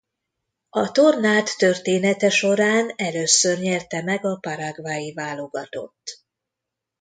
A tornát története során először nyerte meg a paraguayi válogatott.